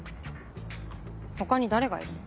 他に誰がいるの？